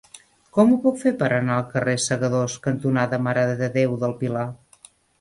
Com ho puc fer per anar al carrer Segadors cantonada Mare de Déu del Pilar?